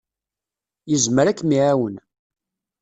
Yezmer ad kem-iɛawen.